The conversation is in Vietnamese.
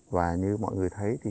và như mọi người thấy